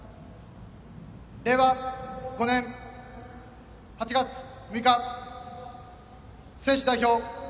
令和５年８月６日選手代表